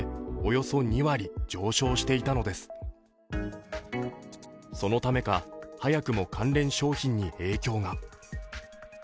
そのためか早くも関連商品に影響が。